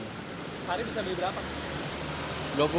hari bisa beli berapa